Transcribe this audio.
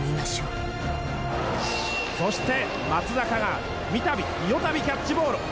そして松坂が三たび四たびキャッチボールを。